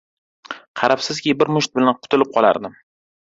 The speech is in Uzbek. Qarabsizki, bir musht bilan qutulib qolardim!